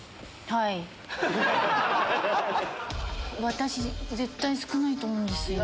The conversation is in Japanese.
私絶対少ないと思うんですよ。